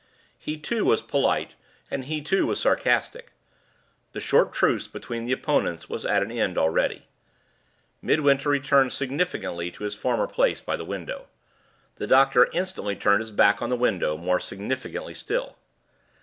He, too, was polite, and he, too, was sarcastic. The short truce between the opponents was at an end already. Midwinter returned significantly to his former place by the window. The doctor instantly turned his back on the window more significantly still.